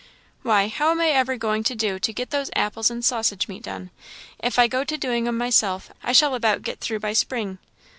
"Why, how I am ever going to do to get those apples and sausage meat done? If I go to doing 'em myself, I shall about get through by spring."